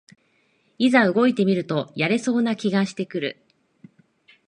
いざ動いてみるとやれそうな気がしてくる